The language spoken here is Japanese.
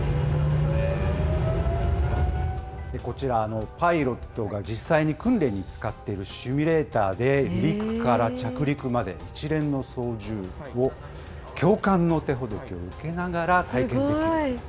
こちら、パイロットが実際に訓練に使っているシミュレーターで、離陸から着陸まで一連の操縦を教官の手ほどきを受けながら体験できると。